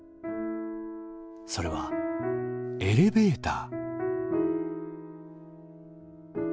それはエレベーター。